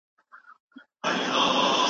دی پوه شو چې دا غږ له کومه و.